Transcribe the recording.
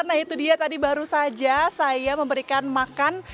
nah itu dia tadi baru saja saya memberikan makan